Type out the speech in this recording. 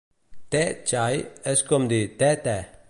Tè Chai és com dir tè tè!